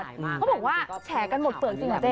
เขาบอกว่าแฉกันหมดเปลือกจริงเหรอเป้